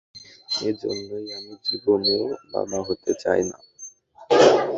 এ জন্যই আমি জীবনেও বাবা হতে চাই না।